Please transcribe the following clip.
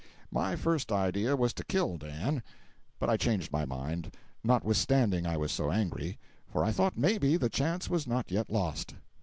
My first idea was to kill Dan. But I changed my mind, notwithstanding I was so angry, for I thought maybe the chance was not yet lost.